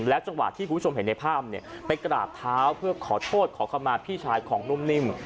จังหวะที่คุณผู้ชมเห็นในภาพไปกราบเท้าเพื่อขอโทษขอคำมาพี่ชายของนุ่มนิ่ม